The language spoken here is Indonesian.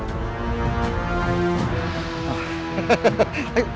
dengan senjata yang tamu